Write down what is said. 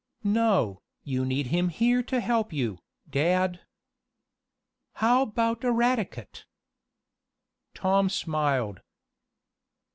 "No, you need him here to help you, dad." "How about Eradicate?" Tom smiled.